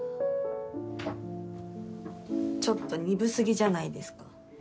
ちょっと鈍すぎじゃないですか。